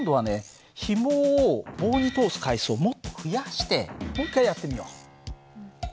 ひもを棒に通す回数をもっと増やしてもう一回やってみよう。